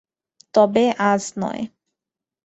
তবে আজ নয়।